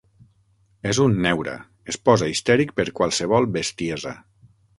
És un neura, es posa histèric per qualsevol bestiesa!